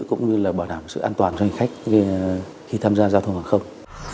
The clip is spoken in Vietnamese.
cũng như là bảo đảm sự an toàn cho hành khách khi tham gia giao thông hàng không